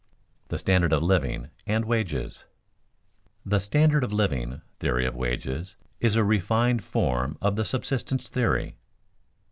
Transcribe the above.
[Sidenote: The standard of living, and wages] The "standard of living" theory of wages is a refined form of the subsistence theory.